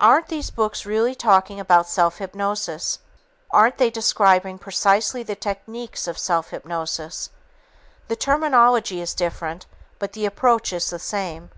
Aren't these books really talking about self hypnosis? Aren't they describing precisely the techniques of self hypnosis? The terminology is different, but the approach is the same.